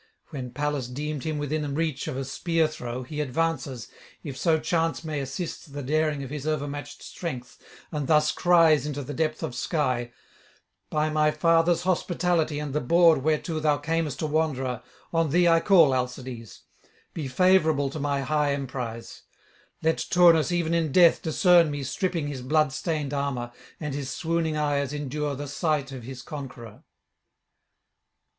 When Pallas deemed him within reach of a spear throw, he advances, if so chance may assist the daring of his overmatched strength, and thus cries into the depth of sky: 'By my father's hospitality and the board whereto thou camest a wanderer, on thee I call, Alcides; be favourable to my high emprise; let Turnus even in death discern me stripping his blood stained armour, and his swooning eyes endure the sight of his conqueror.'